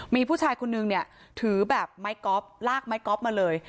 มีผู้ชายคุณหนึ่งเนี่ยถือแบบไมค์กอล์ฟลากไมค์กอล์ฟมาเลย